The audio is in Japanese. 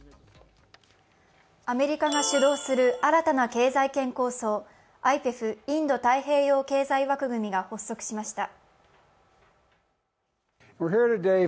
アメリカが主導する新たな経済圏構想、ＩＰＥＦ＝インド太平洋経済枠組みが発足しました。